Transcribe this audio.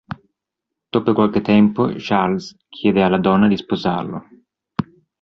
Dopo qualche tempo Charles chiede alla donna di sposarlo.